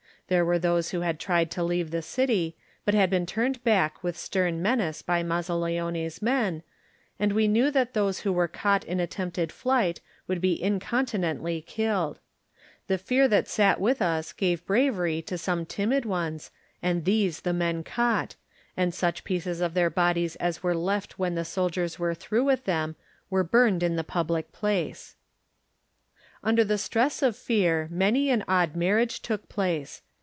There were those who had tried to leave the city, but had been turned back with stem menace by Mazzaleone's men, and we knew that those who were caught in attempted flight would be incontinently killed. The fear that sat with us gave bravery to some timid ones, and these the men caught, and such pieces of their bodies as were left when the soldiers were through with them were burned in the public place. 88 Digitized by Google THE NINTH MAN Under the stress of fear many an odd marriage took place.